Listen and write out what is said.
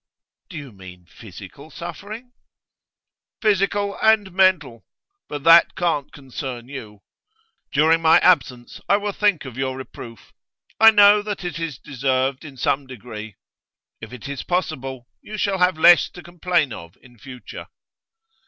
'Do you mean physical suffering?' 'Physical and mental. But that can't concern you. During my absence I will think of your reproof. I know that it is deserved, in some degree. If it is possible, you shall have less to complain of in future.